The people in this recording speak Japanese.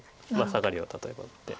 サガリを例えば打って。